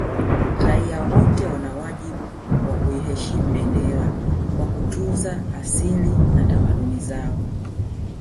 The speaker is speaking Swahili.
Raia wote wana wajibu wa kuiheshimu bendera kwa kutunza asili na tamaduni zao